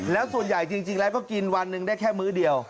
แล้วส่วนใหญ่จริงแล้วก็กินวันหนึ่งได้แค่มื้อเดียว